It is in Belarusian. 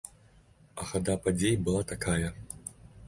А хада падзей была такая.